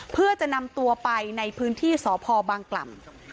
เพื่อจะนำตัวไปในพื้นที่สพบางกล่ำ